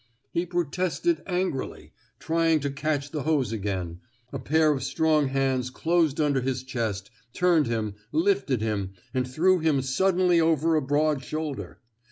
He pro tested angrily, trying to catch the hose again. A pair of strong arms closed nnder his chest, turned him, lifted him, and threw him sud denly over a broad shoulder.